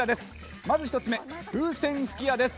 まず１つ目、風船吹き矢です。